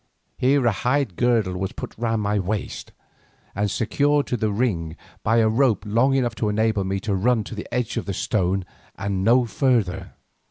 Here a hide girdle was put round my waist and secured to the ring by a rope long enough to enable me to run to the edge of the stone and no further.